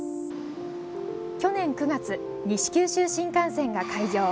去年９月、西九州新幹線が開業。